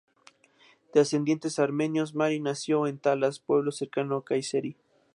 De ascendientes armenios, Mari nació en Talas pueblo cercano a Kayseri.